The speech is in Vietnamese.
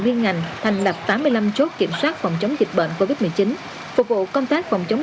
liên ngành thành lập tám mươi năm chốt kiểm soát phòng chống dịch bệnh covid một mươi chín phục vụ công tác phòng chống